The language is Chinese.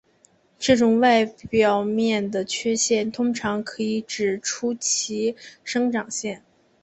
这种外表面的缺陷通常可以指出其生长线。